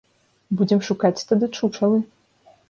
Будзем шукаць тады чучалы.